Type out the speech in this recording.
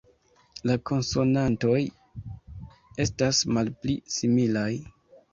La konsonantoj estas malpli similaj